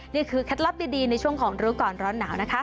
เคล็ดลับดีในช่วงของรู้ก่อนร้อนหนาวนะคะ